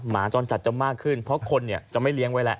หมาจอนจัดจะมากขึ้นเพราะคนเนี่ยจะไม่เลี้ยงไว้แหละ